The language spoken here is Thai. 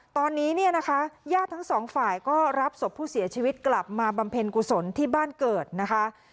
ตอนนี้เนี่ยนะคะญาติทั้งสองฝ่ายก็รับศพผู้เสียชีวิตกลับมาบำเพ็ญกุศลที่บ้านเกิดนะคะ